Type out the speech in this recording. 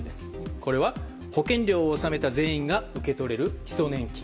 これは、保険料を納めた全員が受け取れる基礎年金。